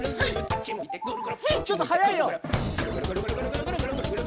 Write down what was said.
ちょっとはやいよ。